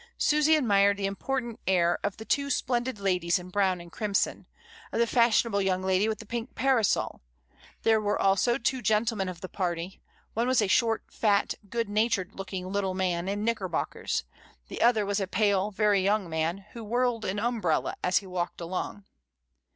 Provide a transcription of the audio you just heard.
Susy admired the important air of the two splendid ladies in brown and crimson, of the fashionable young lady with the pink parasol. There were also two gentlemen of the party; one was a short, fat, good natured looking little man, in knickerbockers; the other was a pale, very young man, who whirled an umbrella as he walked along.